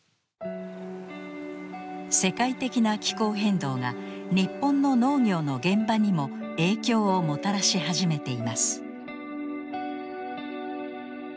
世界的な気候変動が日本の農業の現場にも影響をもたらし始めています。